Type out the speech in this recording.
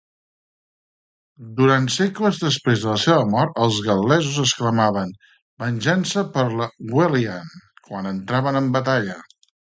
Durant segles desprès de la seva mort, els gal·lesos exclamaven "Venjança per la Gwenllian" quan entraven en batalla.